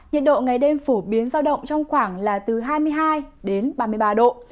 nhiệt độ ngày đêm phổ biến giao động trong khoảng là từ hai mươi hai đến ba mươi ba độ